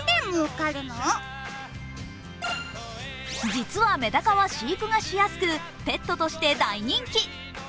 実はめだかは飼育がしやすくペットとして大人気。